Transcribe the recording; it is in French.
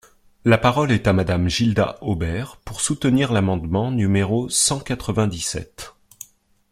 La parole est à Madame Gilda Hobert, pour soutenir l’amendement numéro cent quatre-vingt-dix-sept.